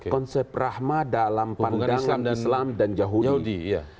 konsep rahma dalam pandangan islam dan yahudi